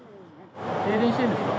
停電してるんですか？